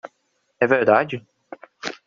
É verdade?